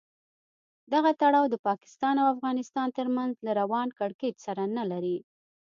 دغه تړاو د پاکستان او افغانستان تر منځ له روان کړکېچ سره نه لري.